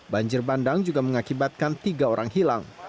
banjir bandang juga mengakibatkan tiga orang hilang